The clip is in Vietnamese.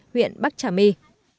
hạt kiểm lâm bắc trà my